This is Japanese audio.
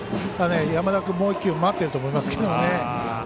山田君、もう１球待ってると思いますけどね。